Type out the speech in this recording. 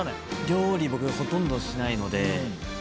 料理僕ほとんどしないので。